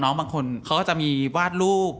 น้องบางคนเค้าก็จะมีวาดรูป